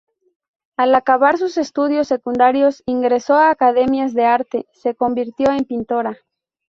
Al acabar sus estudios secundarios, ingresó a academias de arte; se convirtió en pintora.